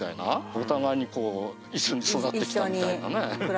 お互いにこう一緒に育ってきたみたいなね。